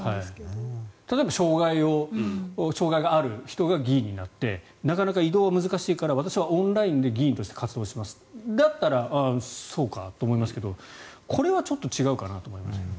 例えば障害がある人が議員になってなかなか移動が難しいから私はオンラインで議員として活動しますだったらそうかと思いますけどこれはちょっと違うかなと思いますけど。